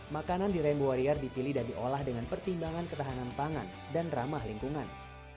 makanan di rainbow warrior dipilih dan diolah dengan pertimbangan ketahanan pangan dan ramah lingkungan